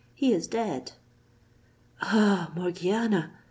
He is dead." "Ah, Morgiana!"